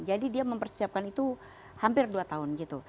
jadi dia mempersiapkan itu hampir dua tahun gitu